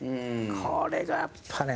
これが、やっぱね。